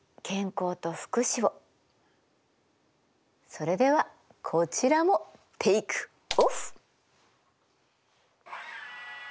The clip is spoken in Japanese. それではこちらもテイクオフ！